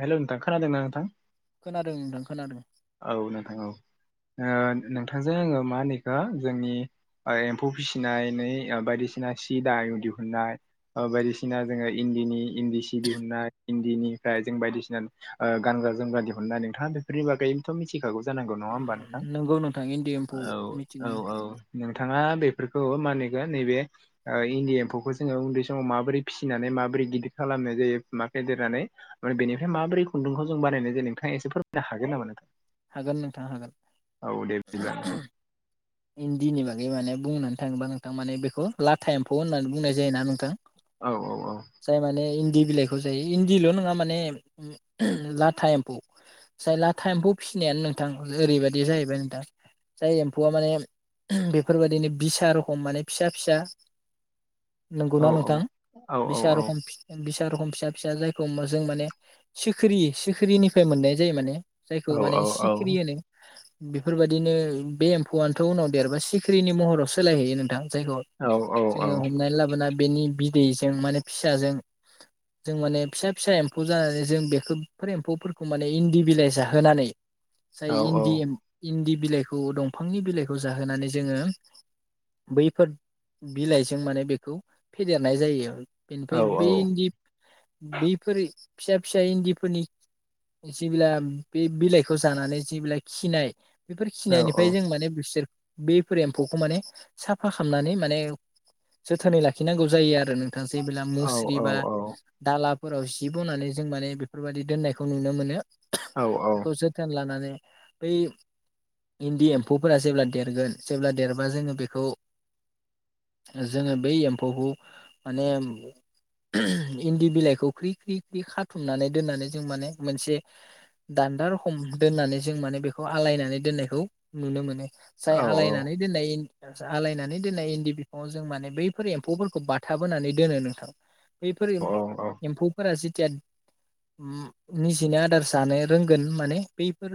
Hello नोंथां खोनादों ना नोंथां खोनादों नोंथां खोनादों औ नोंथां औ नोंथांजों आङो मा होनैखौ जोंनि एम्फौ फिसिनाय न बायदिसिना सि दा दिहुनाय बायदिसिना जोङो इनि इन्दि सि दिहुननाय इन्दिनिफ्राय जों बायदिसिना गानग्रा जोमग्रा दिहुनाय नोंथाङा बे नि बागैनोथ' मिथिखागौ जानांगौ न हबा नोंथ नोंगौ नोंथां इन्दि एम्फौ औ मिथिगौ औ नोंथां औ नोंथाङा खौ मा होनेखौ नैबे इन्दि एम्फौखौ जोङो उन्दै समाव माबोरै फिसिनानै माबोरै गिदिर खालाम नाय जायो मा फेदेरनानै मान बेनिफ्राय माबोरै खुन्दुंखौ जों बानायनाय जायो नोंथाङा एसे फोरमायनो हागोन नामा नोंथां हागोन नोंथां हागोन औ दे बिदिब्ला हिन्दीनि बागै माने बुंनानै थाङोबा नोंथां माने बेखौ लाथा एम्फौ होननानै बुंनाय जायोना नोंथां औ जाय माने इन्दि बिलाइखौ जायो इन्दिल' नङा माने लाथा एम्फौ जाय लाथा एम्फौ फिसिनायानो नोंथां ओरैबायदि जाहैबाय नोंथां जाय एम्फौआ माने बेफोरबायदिनो बिसा रखम माने फिसा फिसा औ नंगौना नोंथां औ बिसे रखम फिसा रखम फिसा फिसा जायखौ जों माने सिख्रि सिखिरिनिफ्राय मोननाय जायो माने औ जायखौ माने औ औ सिखिरि होनो बेफोरबायदिनो बे एम्फौआनो थौ उनाव देरबा सिखिरि्रिनि महराव सोलायहैयो नोंथां जायखौ औ औ जोङो हमनानै लाबोना बेनि दैजों माने फिसाजों जों माने फिसा फिसा एम्फौ जानानै जों बेफोर एम्फौफोरखौ माने इन्दिबिलाइ जाहोनानै जाय इन्दि इन्दि बिलाइखौ दंफांनि बिलाइखौ जाहोनानै जोङो बैफोर बिलाइजों माने बेखौ फेदेरनाय जायो। बेनिफ्राय बे इन्दि बेफोर फिसा फिसा इन्दिफोरनि जेब्ला बे बिलाइखौ जानानै जेब्ला खिनाय बेफोर खिनायनिफ्राय जों माने बिसोर बेफोर एम्फौखौ माने साफा खालामनानै माने जोथोनै लाखिनांगौ जायो आरो। नोंथाङा जे मुस्रि बा दाला फोराव जि बनानै जों माने बेफोरबायदि दोननायखौ नुनो मोनो बेखौ जोथोन लानानै बै इन्दि एम्फौफोरा जेब्ला देरगोन जेब्ला देरबा जोङो बेखौ जोङो बै एम्फौखौ माने इन्दि बिलाइखौ ख्रि ख्रि ख्रि ख्रि खाथुमनानै दोननानै जों माने मोनसे दान्दा रखम दोननानै जों माने बेखौ आलायनानै दोननायखौ नुनो मोनो। जाय आलायनानै दोननाय आलायनानै दोननाय इन्दि बिफाङाव जों माने बैफोर एम्फौफोरखौ बाथाबहोनानै दोनो नोंथां। बैफोर एम्फौफोरा जेथिया निजिनि आदार जानो रोंगोन माने बैफोर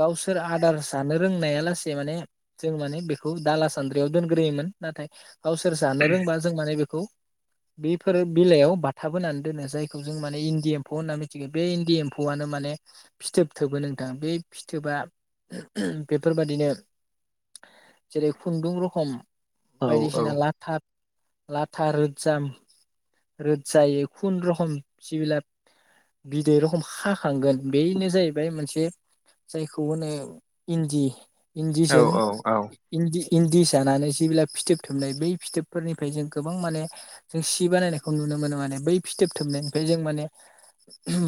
गावसोर आदार जानो रोंनाया लासे माने जों माने बेखौ दाला सान्द्रियाव दोनग्रोयोमोन नाथाय गावसोर जानो रोंबा जों माने बेखौ [inaudible] बेफोर बिलायाव बाथाब बोनानै दोनो जायखौ जों माने इन्दि एम्फौ होनना मिथिगौ बे इन्दि एम्फौआनो माने फिथोब थोबो नोंथां बे फिथोबा [inaudible] बेफोरबादिनो जेरै खुन्दुं रखम बायदिसिना लाथा लाथा रोजाम रोजायै खुन रखम जिबिला बिदै रखम हाखांगोन बेनो जाहैबाय मोनसे जायखौ होनो इन्दि औ इन्दिजों इन्दि इन्दि जानानै जेबोला फिथोब थोबनाय बै फिथोबफोरनिफ्राय जों गोबां माने जों सि बानायनायखौ नुनो नुनो मोनो माने बै फिथोब थोबनायनिफ्राय जों माने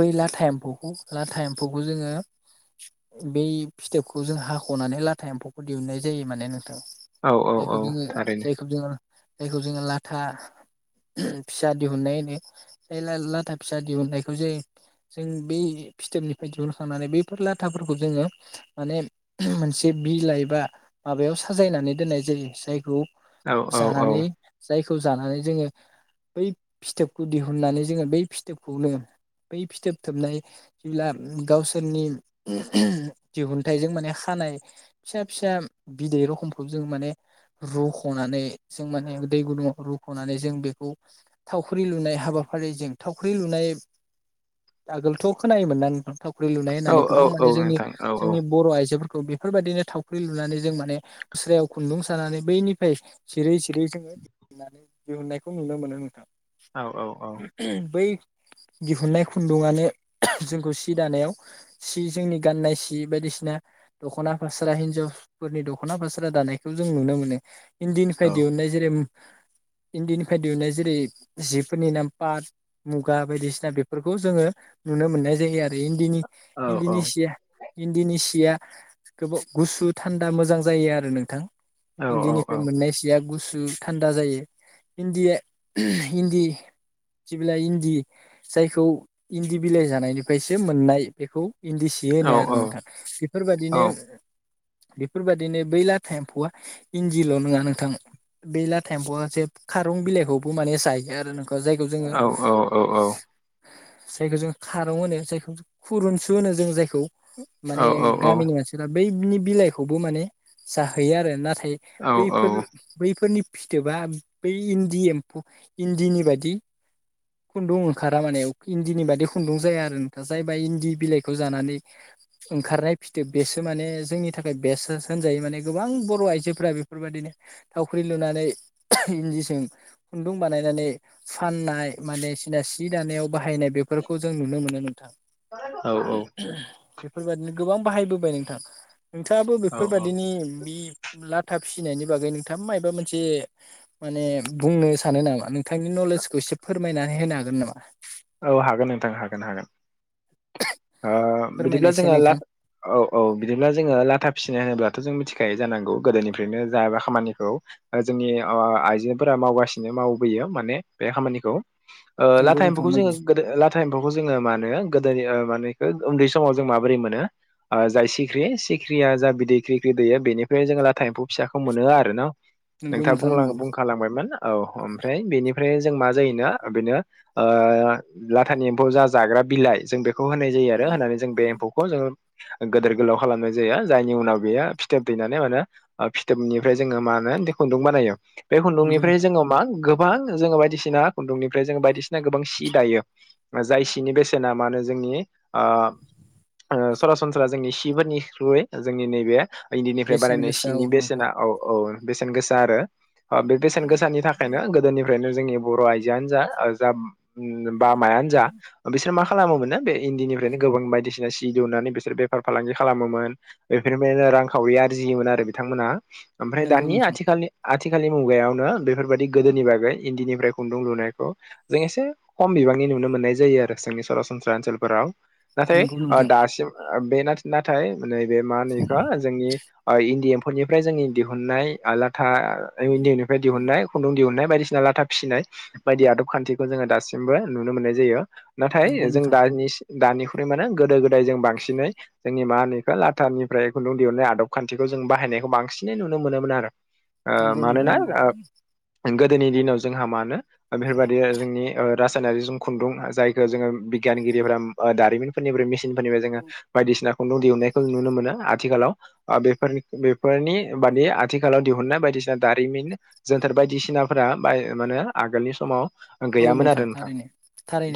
बै लाथा एम्फौखौ लाथा एम्फौखौ जोङो बै फिथोब खौ जों हाख'नानै लाथा एम्फौखौ दिहुननाय जायो माने नोंथां। औ जायखौ औ जोङो थारैनो जायखौ जोङो जायखौ जोङो लाथा फिसा दिहुननाय होनो लाथा फिसा दिहुननायखौ जों जों बे फिथोबनिफ्राय दिहुनखांनानै बैफोर लाथाफोरखौ जोङो माने मोनसे बिलाइ बा माबायाव साजायनानै दोननाय जायो जायखौ औ औ औ जानानै जायखौ जानानै जोङो बै फिथोबखौ दिहुननानै जोङो बै फिथोबखौनो बै फिथोब थोबनाय जेब्ला गावसोरनि दिहुनथाइजों माने माने खानाय फिसा फिसा बिदै रखमखौ जों माने रुख'नानै जों माने दै गुदुंङाव रुख'नानै जों बेखौ थावख्रि लुनाय हाबा फारि जे थावख्रि लुनाय आगोलथ' खोनायोमोन ना नोंथां? थावख्रि लुनाय होननानै औ गोबां औ माने जोंनि नोंथां औ औ जोंनि बर' आयजो बेफोरबायदिनो थावख्रि लुनानै जों माने खुस्रायाव खुन्दुं सानानै बैनिफ्राय जिरै जिरै जोङो होननानै दिहुननायखौ नुनो मोनो नोंथां। औ औ औ बै दिहुनाय खुन्दुंआनो जोंखौ सि दानायाव सि जोंनि गाननाय सि बायदिसिना दख'ना फास्रा हिनजावफोरनि दख'ना फास्रा दानायखौ जों नुनो मोनो। इन्दिफ्राय दिहुनन्नाय जेरै इन्दिनिफ्राय दिहुननाय जेरै जिफोरनि नाम पाट मुगा बायदिसिना बेफोरखौ जोङो नुनो मोननाय जायो आरो इन्दिनि औ औ इन्दिनि सिया इन्दिनि सिया, गोबाव गुसु थान्दा मोजां जायो आरो नोंथां इन्दिनिफ्राय मोननाय सिया गुसु, थान्दा जायो इन्दिया इन्दि, जिबिलाइ इन्दि जायखौ इन्दि बिलाइ जानायनिफ्रायसो मोननाय बेखौ इन्दि सि होनाय औ आरो नोंथां बेफोरबायदिनो, बेफोरबायदिनो बै लाथा एम्फौआ इन्दिल' नङा नोंथां, बेलाथा एम्फौआ जे खारं बिलाइखौबो माने जायो आरो नों जायखौ जोङो, जायखौ जों खारं होनो जायखौ खुरुनसु होनो जों जायखौ माने गामिनि मानसिफ्रा बैनि बिलाइखौबो माने जाहोयो आरो नाथाय बैफोर बैफोरनि फिथोबा बै इन्दि एम्फौ इन्दिनि बादि खुन्दुं ओंखारा माने इन्दिनि बादि खुन्दुं जाया आरो जायबा इन्दि बिलाइखौ जानानै ओंखारनाय फिथोब बेसो माने जोंनि थाखाय बेसो होनजायो माने गोबां बर' आइजोफोरा बेफोरबायदिनो थावख्रि, लुनानै इन्दिजों खुन्दुं बानायनानै फाननाय माने सिदा सि जानायाव बाहायनाय बेफोरखौ जों नुनो मोनो नोंथां औ औ। बेफोरबायदिनो गोबां बाहायबोबाय नोंथां नोंथाङाबो औ बेफोरबायदिनि बि लाथा फिसिनायनि बागै नोंथां माबा मोनसे माने बुंनो सानो नामा नों? नोंथांनि नलेजखौ एसे फोरमायनानै होनो हागोन नामा? औ हागोन नोंथां हागोन हागोन ओ बिदिब्ला फोरमायनायसै जोङो ला नोंथां औ औ बिदिब्ला जोङो लाथा फिसिनाय होनोब्लाथ' जों मिथि मिथिखायो जानांगौ गोदोनिफ्रायनो जायाबा खामानिखौ जोंनि आइजोफोरा मावगासिनो मावबोयो। बेयाव माने बे खामानिखौ ओ नंगौ लाथा नोंथां एम्फौखौ नंगौ जोङो गोदो लाथा एम्फौखौ मा होनो, गोदोनि मानेखौ उन्दै समाव जों माबोरै मोनो, जाय सिख्रि सिख्रिया जा बिदै खिरिख्रि दैयो बेनिफ्राय जोङो लाथा एम्फौ फिसाखौ मोनो आरो ना? नंगौ नोंथाङा नोंथां बुंलां नंगौ बुंखालांबायमोन औ ओमफ्राय बेनिफ्राय जों मा जायोना बेनो, ओ लाथानि एम्फौ जा जाग्रा बिलाइ जों बेखौ होनाय जायो आरो होनानै जों बे एम्फौखौ जोङो, गोदोर गोलाव खालामनाय जायो। जायनि उनाव बेयो फिथोब दैनानै माने फिथोबनिफ्राय जोङो मा होनो, खुन्दुं बानायो बे नंगौ खुन्दुंनिफ्राय नोंथां जोङो मा गोबां जो बायदिसिना खुन्दुंनिफ्राय, ना गोबां सि दायो जाय सिनि बेसेना मा होनो जोंनि ओ ओ सरासनस्रा जोंनि सिफोरनि थ्रुयै जोंनि नैबे, इन्दिनिफ्राय बेसेन बानायनाय गोसा औ सिनि नोंथां बेसेना औ औ बेसेन गोसा आरो ओ बे बेसेन गोसानि थाखायनो गोदोनिफ्रायनो जोंनि बर' आइजो आनो जा जा बा मायानो जा बिसोर मा? खालामो मोनो बे इन्दिनिफ्रायनो गोबां बायदिसिना सि दुनानै बिसोर बेफार फालांगि खालामोमोन बेफोरनिफ्रायनो रांखावरि आरजियोमोन आरो बिथांमोना ओमफ्राय नंगौ दानि नोंथां आथिखालनि, आथिखालनि मुगायावनो बेफोरबायादि गोदोनि बागै इन्दिनिफ्राय खुन्दुं लुनायखौ, जों एसे खम बिबांनि नुनो मोननाय जायो आरो जोंनि सरासनस्रा ओनसोलफोराव, नाथाय नंगौ नोंथां दासिम बे नाथाय नैबे मा होनो बेखौ जोंनि, इन्दि एम्फौनिफ्राय जोंनि दिहुननाय लाथा इन्दि एम्फौनिफ्राय दिहुननाय खुन्दुं दिहुननाय, बायदिसिना लाथा फिसिनाय बायदि आदब खान्थिखौ जोङो दासिमबो नुनो मोननाय जायो। नंगौ नाथाय जों नोंथां दानि दानिख्रुइ माने गोदो गोदाय जों बांसिनै जोंनि मा होनो इखो लाटारनिफ्राय खुन्दुं दिहुननाय आदब खान्थिखौ, जों बाहायनायखौ बांसिनै नुनो मोनोमोन आरो ओ नंगौ नोंथां मानोना नंगौ गोदोनि दिनाव जोंहा मानो बेफोरबादि जोंनि ओ रासायनारि जों खुन्दुं जायखौ जोङो बिगियानगिरिफ्रा दारिमिनफोरनिफ्राय मि [unintelligible] जोङो बायदिसिना खुन्दुं दिहुननायखौ नुनो मोन आथिखालाव ओ बेफोरनि बेफोरनि बादि आथिखालाव दिहुननाय बायदि बायदिसिना दारिमिन जोनथार बायदिसिनाफोरा बाय माने आगोलनि समाव औ गैयामोन आरो नोंथां थारैनो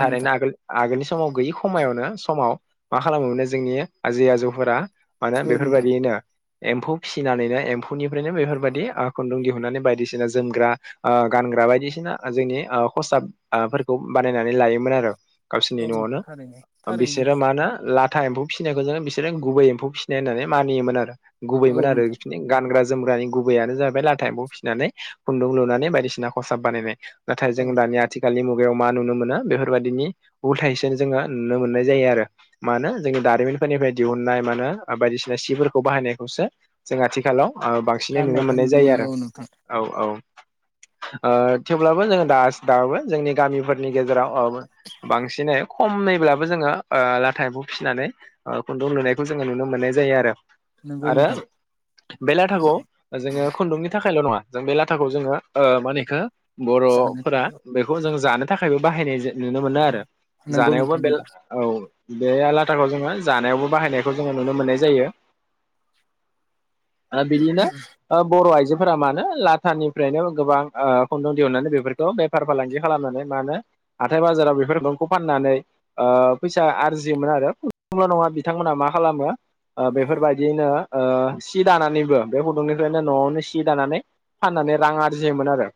थारैनो नोंथां आगोल आगोलनि समाव गैयि खायावनो समाव मा खालामोम मोनो जोंनि आजै- आजौफोरा माने औ नोंथां बेफोरबायदियैनो एम्फौ फिसिनानैनो एम्फौनिफ्रायनो बेफोरबायदि खुन्दुं दिहुननानै बायदिसिना जोमग्रा ओ गान नग्रा बायदिसिना जोंनि ओ खसाब ओ फोरखौ बानायनानै लायोमोन आरो। गावसोरनि औ न'आवनो नोंथां थारैनो थारैनो बिसोरो नोंथां मा होनो ला था एम्फौ फिनायखौनो बिसोर गुबै एम्फौ फिसिनाय होननानै मानियोमोन आरो औ गुबैमोन आरो नोंथां बिसोरनि गानग्रा जोमग्रानि गुबैयानो जैबाय लाथा एम्फौ फिनानै खुन्दुं लुनानै बायदिसिना खसाब बानायनाय नाथाय औ जों दानि आथिनि मु मुगायाव मा नुनो मोनो बेफोरबायदिनि उल्थायसो जोङो नुनो मोननाय जायो आरो। मानो जोंनि दारिमिन फोरनिफ्राय दिहुननाय मा होनो ओ बायदिसिना सिफोरखौ बाहायनायखौसो जों आथिखालाव ओ बांसिनै नुनो गाननायखौ मोननाय जायो मोनो आरो औ नोंथां औ औ ओ थेवब्लाबो जोङो दा दाबो जोंनि गामिफोरनि गेजेराव आवबो बांसिनै खमैब्लाबो जोङो ओ लाथा एम्फौ फिनानै खुन्दुं लुनायखौ जोङो नुनो मोननाय जायो आरो। नंगौ आरो नोंथां बे लाथखौ ओ जोङो खुन्दुंनि थाखायल नङा जों बे लाथाखौ जोङो ओ मा होनो बेखौ जानो बर'फोरा बेखौ जों जानो थाखायबो बाहायनाय जा नुनो मोनो आरो। नंगौ जानायावबो नोंथां बे ला नंगौ औ बे आ लाथाखौ जोङो जानायावबो बाहायनायखौ जोङो नुनो मोननाय जायो। ओ बिदिनो ओ बर' आइजो फोरा मानो लाथानिफ्रायनो गोबां ओ खुन्दुं दिहुननानै बेफोरखौ बे फार फालांगि खालामनानै मानो हाथाय बाजाराव बेफोर खुन्दुंखौ फाननानै ओ फैसा आरजियोमोन आरो नंगौना नङा बिथांमोना मा मा खालामो ओ बेफोरबायदियैनो ओ सि दानानैबो बे खुन्दुंनिफ्रायनो नआवनो सि दानानै फान माने रां आरजियोमोन आरो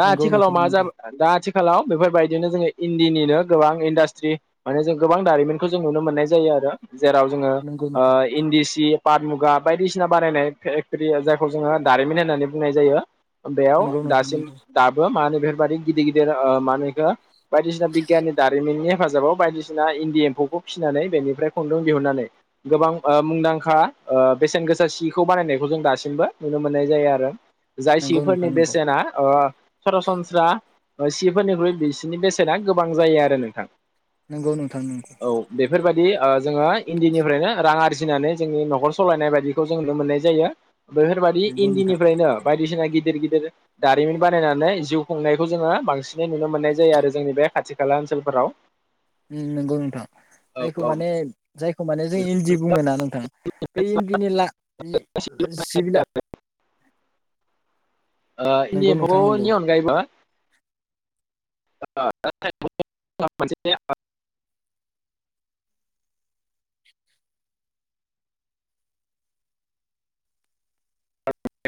दा नंगौ आथिखालाव नोंथां मा नंगौ जाबा दा आथिखालाव बेफोरबायदिनो जोङो इन्दिनिनो गोबां इन्डास्ट्रि आरो जों गोबां दारिमिनखौ जों नुनो मोन नाय जायो आरो जेराव जोङो नंगौ ओ इन्दि सि पाट मुगा बायदिसिना बानायनाय फेकट्रि जायखौ जोङो दारिमिन होननानै बुंनाय जायो। बेयाव नोंथां दासिम दाबो मा होनो बेफोरबायदि गिदिर गिदिर ओ मा होनो बिखो बायदिसिना बिगियाननि दारिमिननि हेफाजाबाव बायदिसिना इन्दि एम्फौखौ फिना नानै बेनिफ्राय खुंन्दुं दिहुननानै गोबां ओ मुंदांखा ओ बेसेन गोसा सिखौ बानायनायखौ जों दासिमबो नुनो मोननाय जायो आरो जाय नंगौ नोंथां नंगौ सिफोरनि नोंथां बेसेना ओ सरासनस्रा ओ सिफोरनिख्रुइ बिसिनि बेसेना गोबां जायो आरो नोंथां। नोंगौ नोंथां नोंगौ। नि ओ जोङो इन्दिनिफ्रायनो रां आरजिनानै जोंनि नखर सलायनाय बायदिखौ जों नुनो मोननाय जायो। बेफोरबादि नंगौ नोंथां इन्दिनिफ्रायनो बायदिसिना गिदिर- गिदिर दारिमिन बानायनानै जिउ खुंनाय खौ जोङो बांसिनै नुनो मोननाय जायो आरो जोंनि बे खाथि खाला ओनसोलफोराव। उम नोंगौ नोंथां जायखौ माने जायखौ माने जों इन्दि बुङोना नोंथां बे इन्दिनि लाख इ जि बिला ओ इन्दि नंगौ एम्फौ खौ नोंथां नंगौ नि अनगायैबो [unintelligible]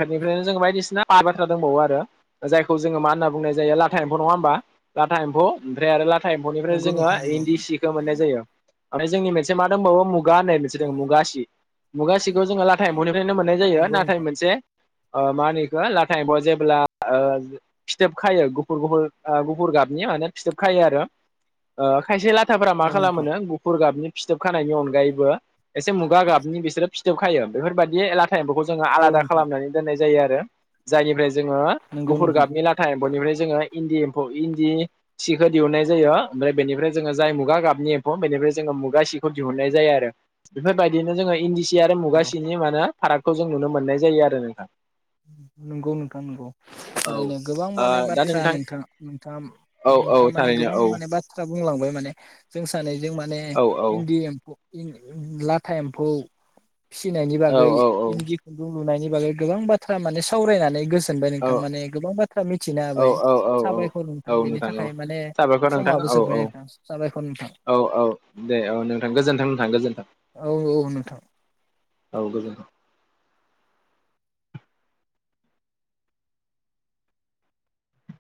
बेनिफ्रायनो जों बायदिसिना आद बाथ्रा दंबावो आरो जायखौ जोङो मा होनना बुंनाय जायो लाथा एम्फौ नङा होमबा? लाथा एम्फौ ओमफ्राय आरो ला थां एम्फौनिफ्राय नंगौ जोङो नोंथां नंगौ इन्दि बिखौ मोननाय जायो ओमफ्राय जोंनि मोनसे मा दंबावो गा होननाय मोनसे दङ नंगौ मुगा सि मुगा सिखौ जोङो लाथा एम्फौनिफ्रायनो मोननाय जायो नंगौ नाथाय नोंथां मोनसे ओ मा होनो बेखौ लाथा एम्फौया जेब्ला ओ फिथोब खायो गुफुर गुफुर ओ गुफुर गाब नियानो फिथोब खायो आरो ओ खायसे लाथाफोरा मा औ नोंथां खालामोनो गुफुर गाबनि फिथोब खानायनि अनगायैबो एसे मुगा गाबनि बिसोरो फिथोब खायो बेफोरबायदि ला थां एम्फौखौ जोङो औ आलादा नोंथां खालामनानै दोननाय जायो आरो जायनिफ्राय जोङो नंगौ गुफुर नोंथां गाबनि लाथा एम्फौनिफ्राय जोङो इन्दि खौ इन्दि सिखो दिहुननाय जायो ओमफ्राय बेनिफ्राय जोङो जाय मुगा गाबनि एम्फौ बेनिफ्राय जोङो मुगा सि खौ दिहुननाय जायो आरो बेफोरबायदिनो जोङो इन्दि सि सि आरो मुगा सिनि मा होनो फारागखौ जों नुनो मोननाय जायो आरो नोंथां नोंगौ नोंथां नोंगौ औ ओरैनो गोबां ओ माने दा बाथ्रा नोंथां नोंथाङा नोंथाङा औ औ नोंथाङा माने थारैनो गोबां औ माने बाथ्रा बुंलांबाय माने जों सानैजों माने औ इन्दि एम्फौ इन ओ लाथा एम्फौ फिसिनायनि बागै औ औ औ इन्दि खुन्दुं लुनायनि बागै गोबां बाथ्रा माने सावरायनानै गोजोनबाय औ नोंथां माने गोबां बाथ्रा मिथिनो औ हाबाय औ औ साबायखर औ नोंथां बेनि औ थाखाय माने साबायखर नोंथां समाबो औ जोबबाय औ नोंथां साबायखर नोंथां औ औ दे औ नोंथां गोजोन्थों नोंथां गोजोन्थों औ औ नोंथां औ गोजोनथों।